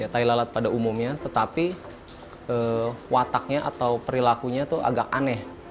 tailalat pada umumnya tetapi wataknya atau perilakunya itu agak aneh